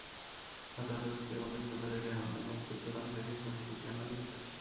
হতাহত ব্যক্তিদের মধ্যে বিভিন্ন জায়গায় হামলায় নেতৃত্বদানকারী একজন লিবিয়ার নাগরিক আছে।